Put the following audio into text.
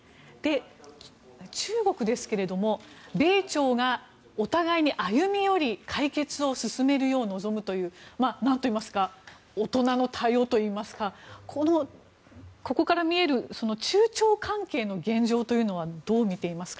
中国ですが米朝がお互いに歩み寄り解決を進めるよう望むという大人の対応といいますかここから見える中朝関係の現状というのはどうみていますか？